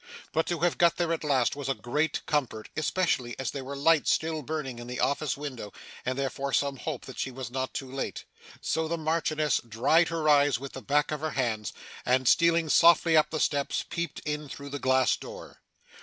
But to have got there at last was a great comfort, especially as there were lights still burning in the office window, and therefore some hope that she was not too late. So the Marchioness dried her eyes with the backs of her hands, and, stealing softly up the steps, peeped in through the glass door.